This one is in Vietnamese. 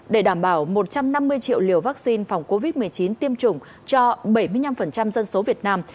để đảm bảo một trăm năm mươi triệu liều vaccine phòng covid một mươi chín tiêm chủng cho bảy mươi năm dân số việt nam